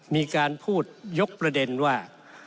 มีการพูดยกประเด็นว่า